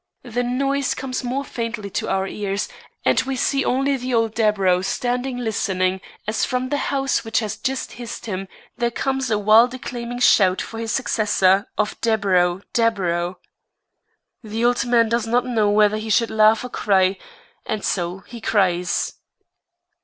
The noise comes more faintly to our ears and we see only the old Deburau standing listening as from the house which has just hissed him there comes a wild acclaiming shout for his successor of "Deburau! Deburau!" The old man does not know whether he should laugh or cry, and so he cries.